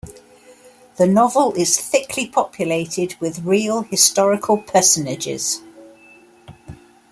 The novel is thickly populated with real historical personages.